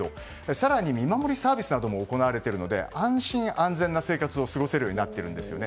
更に見守りサービスなども行われているので安心・安全な生活を過ごせるようになっています。